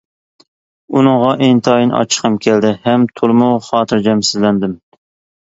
ئۇنىڭغا ئىنتايىن ئاچچىقىم كەلدى ھەم تولىمۇ خاتىرجەمسىزلەندىم.